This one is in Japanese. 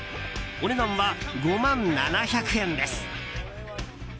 お値段は５万７００円です。